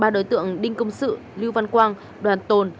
ba đối tượng đinh công sự lưu văn quang đoàn tồn